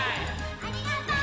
ありがとう！